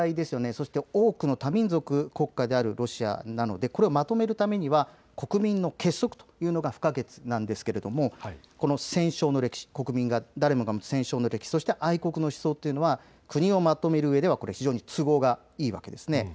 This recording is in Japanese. そして多くの多民族国家であるロシアなのでこれをまとめるためには国民の結束というのが不可欠なんですが、戦勝の歴史、国民誰もが持つ戦勝の歴史、そして愛国の思想というのは国をまとめるうえでは非常に都合がいいわけです。